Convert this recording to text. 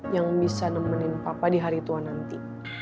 yang bisa nemenin papa di hari tua nanti